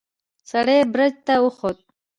سړی برج ته وخوت.